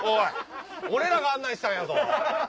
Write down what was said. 俺らが案内したんやぞ！